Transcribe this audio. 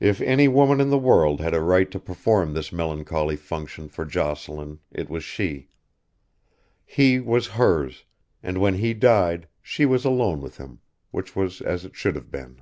If any woman in the world had a right to perform this melancholy function for Jocelyn it was she. He was hers, and when he died she was alone with him, which was as it should have been.